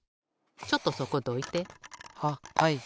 ちょっとそこどいて。ははい。